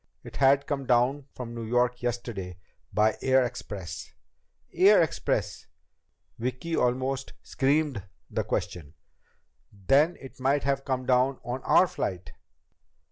It had come down from New York yesterday by air express ..." "Air express?" Vicki almost screamed the question. "Then it might have come down on our flight!"